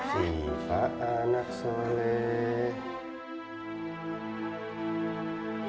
sipa anak soleh